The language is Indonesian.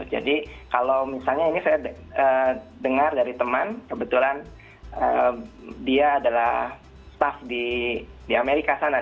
jadi kalau misalnya ini saya dengar dari teman kebetulan dia adalah staff di amerika sana